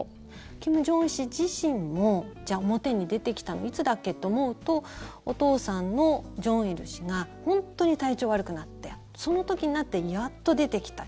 金正恩氏自身もじゃあ表に出てきたのいつだっけ？と思うとお父さんの正日氏が本当に体調悪くなってその時になってやっと出てきた。